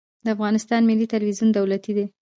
د افغانستان ملي تلویزیون دولتي دی